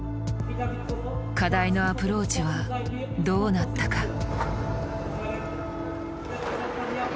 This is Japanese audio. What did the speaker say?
課題のアプローチはどうなったか。